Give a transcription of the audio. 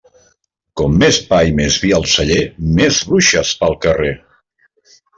Com més pa i més vi al celler, més bruixes pel carrer.